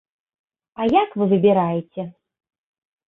А як вы выбіраеце?